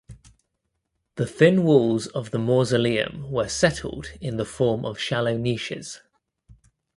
The thin walls of the mausoleum were settled in the form of shallow niches.